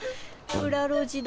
裏路地だ。